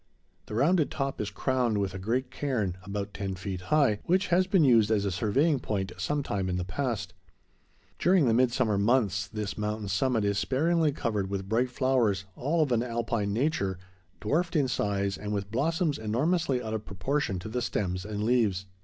The rounded top is crowned with a great cairn, about ten feet high, which has been used as a surveying point some time in the past. During the midsummer months this mountain summit is sparingly covered with bright flowers, all of an Alpine nature, dwarfed in size and with blossoms enormously out of proportion to the stems and leaves.